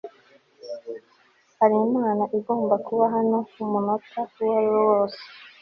habimana agomba kuba hano umunota uwariwo wose